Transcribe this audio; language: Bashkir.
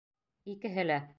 Икеһе лә: